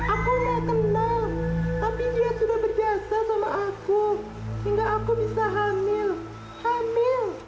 aku mau kenal tapi dia sudah berdiasa sama aku hingga aku bisa hamil hamil